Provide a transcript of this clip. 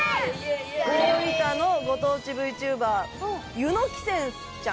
大分のご当地ＶＴｕｂｅｒ湯ノ鬼泉ちゃん。